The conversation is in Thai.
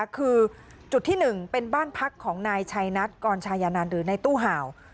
คือจุดที่๑เป็นบ้านพักของนายชัยนัทกรชายานันหรือในตู้ห่าว